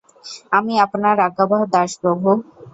আমি আপনার আজ্ঞাবহ দাস, প্রভু!